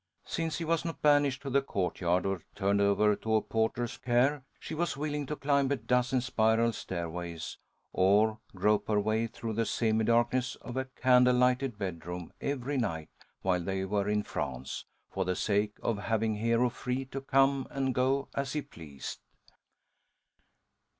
Since he was not banished to the courtyard or turned over to a porter's care, she was willing to climb a dozen spiral stairways, or grope her way through the semi darkness of a candle lighted bedroom every night while they were in France, for the sake of having Hero free to come and go as he pleased.